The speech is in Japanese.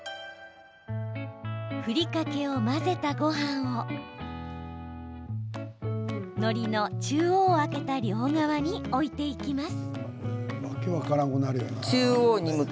ふりかけを混ぜたごはんをのりの中央を空けた両側に置いていきます。